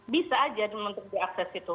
bisa aja untuk diakses itu